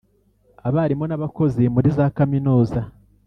abarimu n’abakozi muri za kaminuza